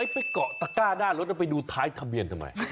ไปเกาะตะก้าหน้ารถแล้วไปดูท้ายทะเบียนทำไม